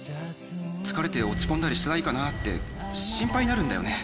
疲れて落ち込んだりしてないかなって心配になるんだよね。